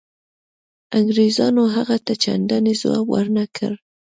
انګرېزانو هغه ته چنداني ځواب ورنه کړ.